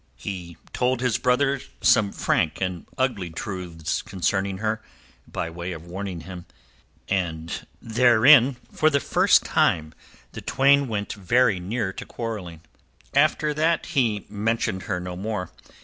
He told his brother some frank and ugly truths, concerning her, by way of warning him, and therein, for the first time, the twain went very near to quarrelling. After that he mentioned her no more.